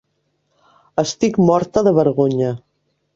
Estic morta de vergonya.